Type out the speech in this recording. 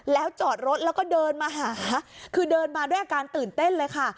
แล้วจอดรถแล้วก็เดินมาหาคือเดินมาด้วยอาการตื่นเต้นเลยค่ะ